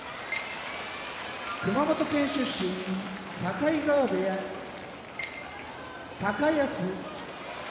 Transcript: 熊本県出身境川部屋高安